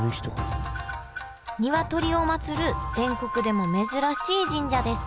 ニワトリを祭る全国でも珍しい神社です